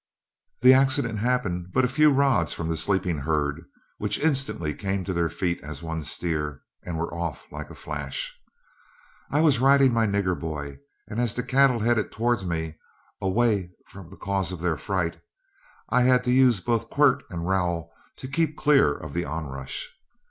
The accident happened but a few rods from the sleeping herd, which instantly came to their feet as one steer, and were off like a flash. I was riding my Nigger Boy, and as the cattle headed toward me, away from the cause of their fright, I had to use both quirt and rowel to keep clear of the onrush.